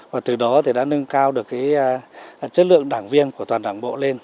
và từ đó đã nâng cao được chất lượng đảng viên của toàn đảng bộ